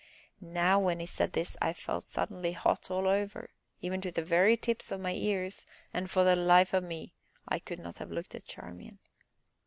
Now, when he said this I felt suddenly hot all over, even to the very tips of my ears, and, for the life of me, I could not have looked at Charmian.